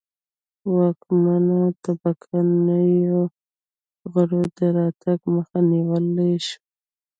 واکمنه طبقه نویو غړو د راتګ مخه نیولای شوه